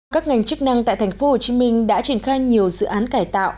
các ngành chức năng tại thành phố hồ chí minh đã triển khai nhiều dự án cải tạo